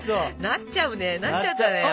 なっちゃうねなっちゃったね